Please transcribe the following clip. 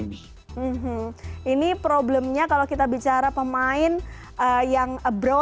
hmm hmm ini problemnya kalau kita bicara pemain yang abroad gitu atau yang bermain di luar negeri pemain indonesia itu biasanya apa